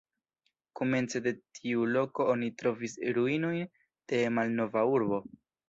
Komence de tiu loko oni trovis ruinojn de malnova urbo.